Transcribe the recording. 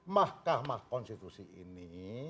mahkamah konstitusi ini